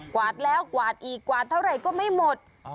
วาดแล้วกวาดอีกกวาดเท่าไหร่ก็ไม่หมด